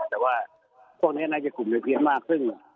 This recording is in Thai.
แต่ว่าพวกเนี้ยน่าจะกลุ่มสางเกลียดมากขึ้น